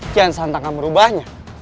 kian santang akan merubahnya